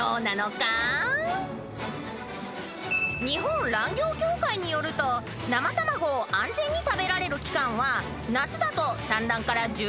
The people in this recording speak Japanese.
［日本卵業協会によると生卵を安全に食べられる期間は夏だと産卵から１６日以内］